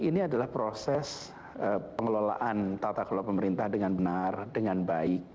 ini adalah proses pengelolaan tata kelola pemerintah dengan benar dengan baik